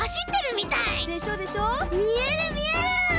みえるみえる！